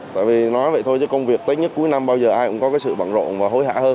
tại vì nói vậy thôi chứ công việc tết nhất cuối năm bao giờ ai cũng có sự bằng rộn và hối hạ hơn